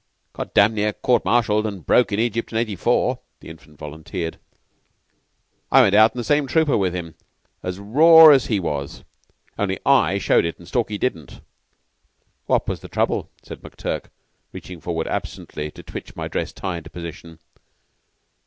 "Got dam' near court martialed and broke in Egypt in '84," the Infant volunteered. "I went out in the same trooper with him as raw as he was. Only I showed it, and Stalky didn't." "What was the trouble?" said McTurk, reaching forward absently to twitch my dress tie into position.